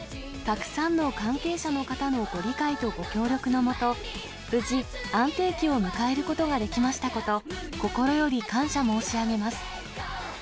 たくさんの関係者の方のご理解とご協力のもと、無事、安定期を迎えることができましたこと、心より感謝申し上げます。